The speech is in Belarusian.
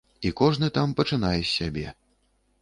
І кожны там пачынае з сябе.